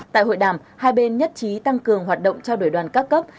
tại hội đàm hai bên nhất trí tăng cường hoạt động trao đổi đoàn các cấp